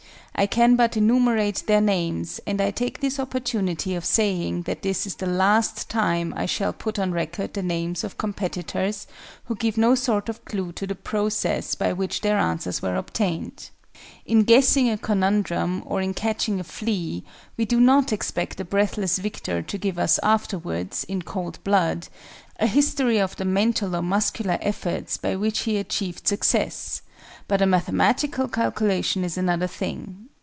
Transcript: I can but enumerate their names, and I take this opportunity of saying that this is the last time I shall put on record the names of competitors who give no sort of clue to the process by which their answers were obtained. In guessing a conundrum, or in catching a flea, we do not expect the breathless victor to give us afterwards, in cold blood, a history of the mental or muscular efforts by which he achieved success; but a mathematical calculation is another thing.